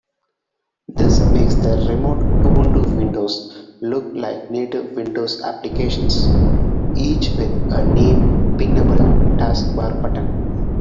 This makes the remote Ubuntu windows look like native Windows applications, each with a named pinnable taskbar button.